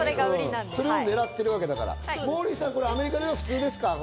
それをねらってるわけだからモーリーさん、アメリカでは普通ですか？